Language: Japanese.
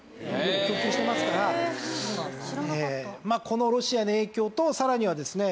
このロシアの影響とさらにはですね